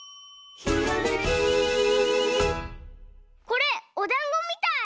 これおだんごみたい！